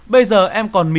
bây giờ em còn mì gà